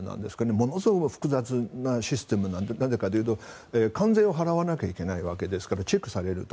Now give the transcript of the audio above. ものすごく複雑なシステムなのでなぜかというと関税を払わなきゃいけないわけですからチェックされると。